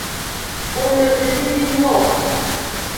Xomeveve denyo o.